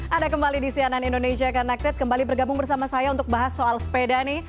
anda kembali di cnn indonesia connected kembali bergabung bersama saya untuk bahas soal sepeda nih